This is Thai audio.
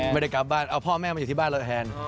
ไม่ได้กลับบ้านเอาพ่อแม่มาอยู่ที่บ้านเราแทน